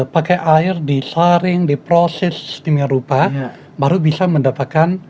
pakai air disaring diproses di merupakan baru bisa mendapatkan